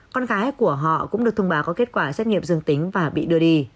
con gái của họ cũng được thông báo có kết quả xét nghiệm dương tính và bị đưa đi